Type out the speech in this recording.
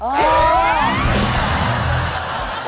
กล้า